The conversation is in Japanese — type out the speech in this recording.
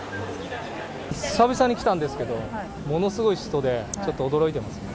久々に来たんですけれども、ものすごい人で、ちょっと驚いてますね。